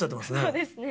そうですね。